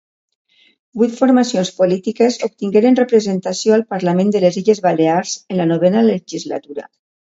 Vuit formacions polítiques obtingueren representació al Parlament de les Illes Balears en la Novena Legislatura.